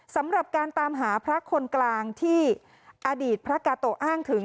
สำหรับการตามหาพระคนกลางที่อดีตพระกาโตอ้างถึง